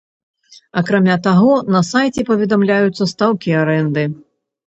Акрамя таго, на сайце паведамляюцца стаўкі арэнды.